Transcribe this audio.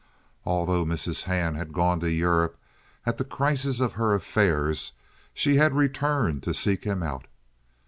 Although Mrs. Hand had gone to Europe at the crisis of her affairs, she had returned to seek him out.